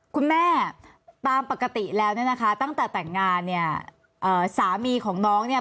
คุณแม่ตามปกติแล้วตั้งแต่แต่งงานสามีของน้องเนี่ย